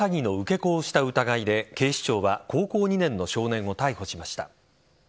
子をした疑いで警視庁は高校２年の少年を逮捕しました。